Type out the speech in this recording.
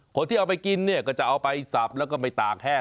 คนที่เอาไปกินเนี่ยก็จะเอาไปสับแล้วก็ไปตากแห้ง